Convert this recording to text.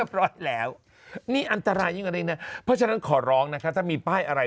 ร้อยแล้วนี่อันตรายยิ่งกว่านี้นะเพราะฉะนั้นขอร้องนะคะถ้ามีป้ายอะไร